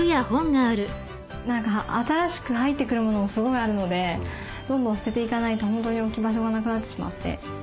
何か新しく入ってくるモノもすごいあるのでどんどん捨てていかないと本当に置き場所がなくなってしまって。